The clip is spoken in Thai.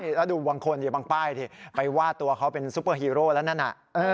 แล้วดูบางคนดิบางป้ายดิไปวาดตัวเขาเป็นซุปเปอร์ฮีโร่แล้วนั่นน่ะ